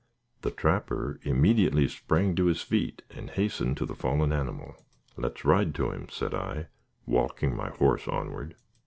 The trapper immediately sprang to his feet and hastened to the fallen animal. "Let us ride to him," said I, walking my horse onward.